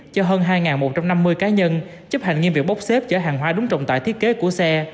cho hơn hai một trăm năm mươi cá nhân chấp hành nghiêm việc bốc xếp chở hàng hóa đúng trọng tải thiết kế của xe